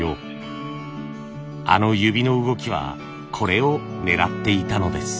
あの指の動きはこれを狙っていたのです。